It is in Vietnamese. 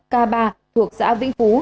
k ba thuộc xã vĩnh phú